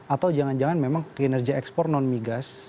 atau jangan jangan memang kinerja ekspor non migas